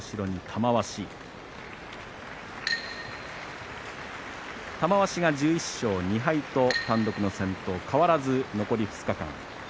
玉鷲が１１勝２敗と単独の先頭変わらず残り２日間。